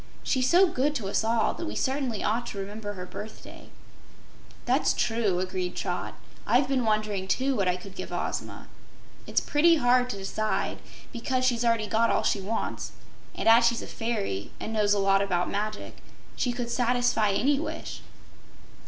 She's so good to us all that we certainly ought to remember her birthday." "That's true," agreed Trot. "I've been wondering, too, what I could give Ozma. It's pretty hard to decide, 'cause she's got already all she wants, and as she's a fairy and knows a lot about magic, she could satisfy any wish."